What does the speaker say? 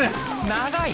長い！